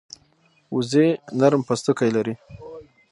وزې نرم پوستکی لري